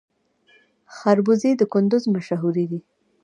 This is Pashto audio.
خربوزې د کندز مشهورې دي